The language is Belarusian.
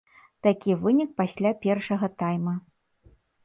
Такі вынік пасля першага тайма.